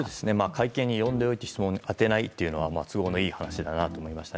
会見に呼んでおいて質問を当てないというのは都合のいい話だなと思いました。